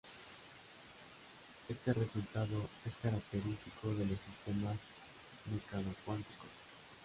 Este resultado es característico de los sistemas mecano-cuánticos.